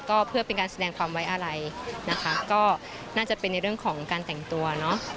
ก็เพื่อเป็นการแสดงความไว้อะไรนะคะก็น่าจะเป็นในเรื่องของการแต่งตัวเนอะ